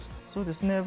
そうですね。